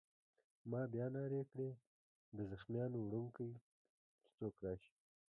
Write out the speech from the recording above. ما بیا نارې کړې: د زخمیانو وړونکی! چې څوک راشي.